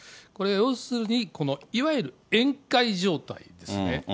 これ要するに、いわゆる宴会状態ですね。